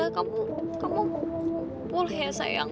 kamu boleh ya sayang